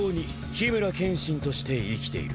緋村剣心として生きている。